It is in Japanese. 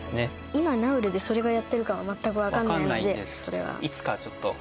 今ナウルでそれがやってるかは全く分かんないのでそうですね